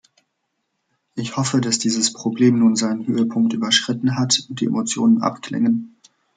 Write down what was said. Ich hoffe, dass dieses Problem nun seinen Höhepunkt überschritten hat und die Emotionen abklingen.